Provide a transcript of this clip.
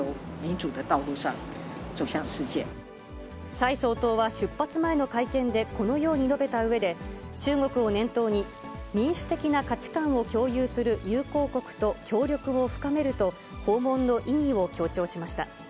蔡総統は出発前の会見でこのように述べたうえで、中国を念頭に、民主的な価値観を共有する友好国と協力を深めると、訪問の意義を強調しました。